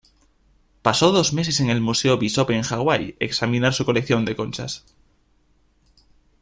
Pasó dos meses en el Museo Bishop en Hawaii examinar su colección de conchas.